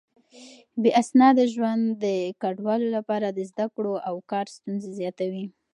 بې اسناده ژوند د کډوالو لپاره د زده کړو او کار ستونزې زياتوي.